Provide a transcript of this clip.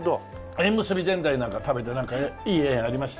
縁結びぜんざい食べてなんかいい縁ありました？